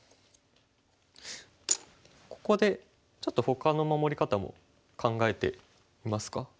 ここでちょっとほかの守り方も考えてみますか。